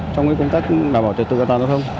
trong công tác đảm bảo trật tự do giao thông